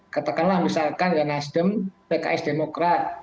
katakanlah misalkan ya nasdem pks demokrat